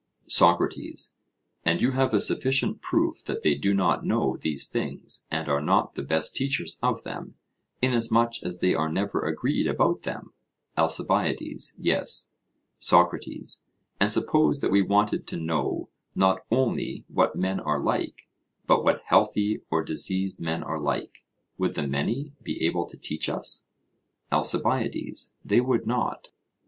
SOCRATES: And you have a sufficient proof that they do not know these things and are not the best teachers of them, inasmuch as they are never agreed about them? ALCIBIADES: Yes. SOCRATES: And suppose that we wanted to know not only what men are like, but what healthy or diseased men are like would the many be able to teach us? ALCIBIADES: They would not.